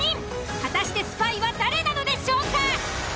果たしてスパイは誰なのでしょうか？